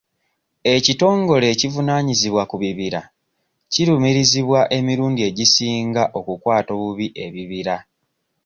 Ekitongole ekivunaanyizibwa ku bibira kirumirizibwa emirundi egisinga okukwata obubi ebibira.